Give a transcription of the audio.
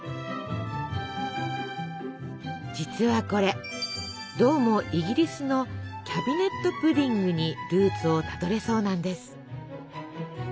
実はこれどうもイギリスの「キャビネットプディング」にルーツをたどれそうなんです。